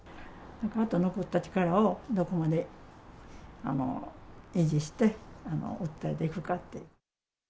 あと残った力をどこまで維持して、訴えていくかって。